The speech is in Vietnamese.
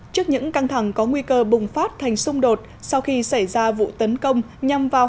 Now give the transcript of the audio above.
trước những căng thẳng có nguy cơ bùng phát thành xung đột sau khi xảy ra vụ tấn công nhằm vào